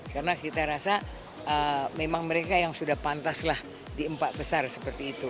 karena kita rasa memang mereka yang sudah pantas lah di empat besar seperti itu